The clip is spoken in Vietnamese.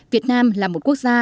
việt nam là một quốc gia